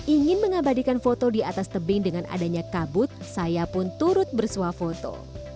ingin mengabadikan foto di atas tebing dengan adanya kabut saya pun turut bersuah foto